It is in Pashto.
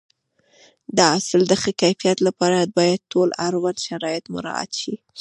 د حاصل د ښه کیفیت لپاره باید ټول اړوند شرایط مراعات شي.